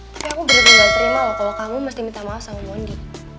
tapi aku bener bener nggak terima loh kalau kamu mesti minta maaf sama mondi